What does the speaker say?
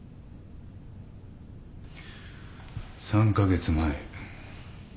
３カ月前。